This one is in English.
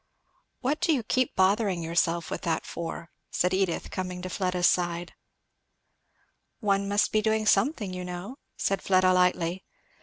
"What do you keep bothering yourself with that for?" said Edith coming to Fleda's side. "One must be doing something, you know," said Fleda lightly.